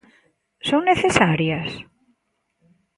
Son necesarias?